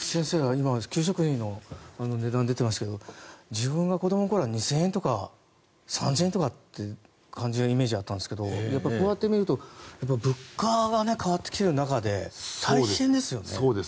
今、給食費の値段が出ていましたけれど自分が子どもの頃は２０００円とか３０００円とかのイメージがあったんですがこうやってみると物価が変わってきている中で大変ですよね。